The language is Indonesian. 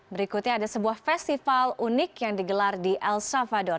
berikutnya ada sebuah festival unik yang digelar di el salvador